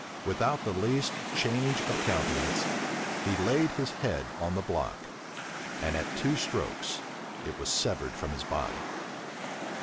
Without the least change of countenance, he laid his head on the block; and at two strokes, it was severed from his body.